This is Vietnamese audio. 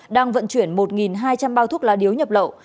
đang vận chuyển một hai trăm linh bao thuốc lá điếu nhập lậu